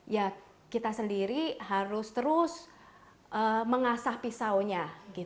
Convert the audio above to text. ya kita sendiri harus terus mengasah pisaunya